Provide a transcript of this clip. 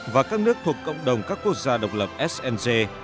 và các nước thuộc cộng đồng các quốc gia độc lập sng